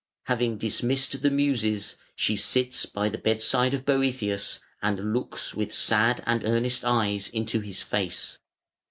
Having dismissed the Muses, she sits by the bedside of Boëthius and looks with sad and earnest eyes into his face.